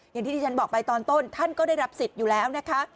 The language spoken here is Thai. อย่างที่ที่ฉันบอกไปตอนต้นท่านก็ได้รับสิทธิ์อยู่แล้วนะคะ